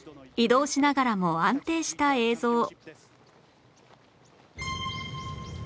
移動しながらも安定した映像